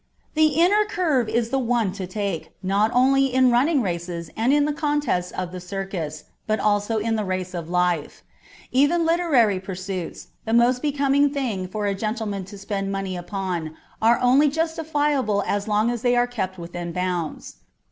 The inner curve is the one to take, not only in running races and in the contests of the circus, but also in the race of life ; even literary pursuits, the most becoming thing for a gentleman to spend money upon, are only justifiable as long as they are kept within bounds.